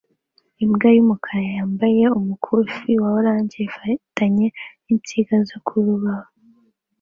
Imbwa y'umukara yambaye umukufi wa orange ifatanye n'insinga zo kuroba